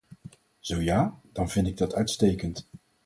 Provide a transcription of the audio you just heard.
Zo ja, dan vind ik dat uitstekend.